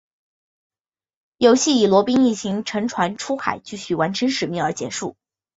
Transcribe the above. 游戏以罗宾一行乘船出海继续完成使命而结束。